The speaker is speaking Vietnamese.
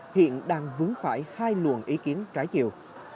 hiện đang vướng phải hai luồng ý kiến trái chiều